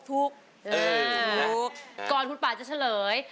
เอออยู่ก่อนคุณป่าจะเฉลย